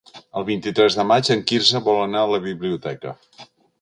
El vint-i-tres de maig en Quirze vol anar a la biblioteca.